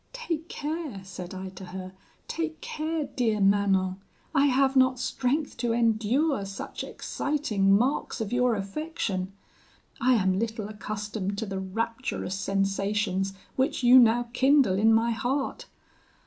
'Take care,' said I to her, 'take care, dear Manon; I have not strength to endure such exciting marks of your affection; I am little accustomed to the rapturous sensations which you now kindle in my heart.